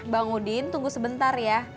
bang udin tunggu sebentar ya